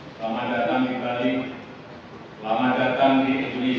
selamat datang di bali selamat datang di indonesia